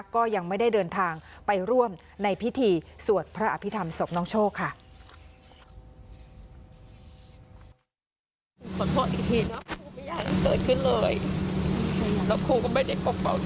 ก็ยังไม่ได้เดินทางไปร่วมในพิธีสวดพระอภิษฐรรมศพน้องโชคค่ะ